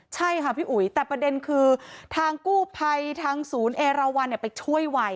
ใช่ค่ะพี่อุ๋ยแต่ประเด็นคือทางกู้ภัยทางศูนย์เอราวันไปช่วยไว